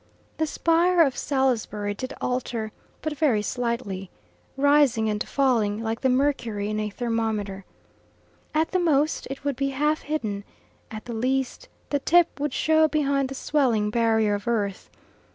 The spire of Salisbury did alter, but very slightly, rising and falling like the mercury in a thermometer. At the most it would be half hidden; at the least the tip would show behind the swelling barrier of earth.